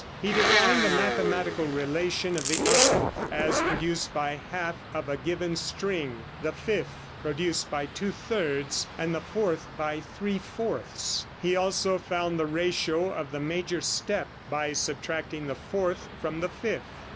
He defined the mathematical relation of the octave as produced by half of a given string, the fifth produced by two thirds and the fourth by three fourths. He also found the ratio of the major step by subtracting the fourth from the fifth.